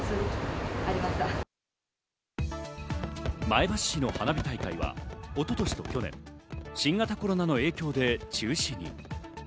前橋市の花火大会は一昨年と去年、新型コロナの影響で中止に。